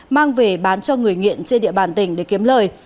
mang về bán cho người nghiện trên địa bàn tỉnh để kiếm lời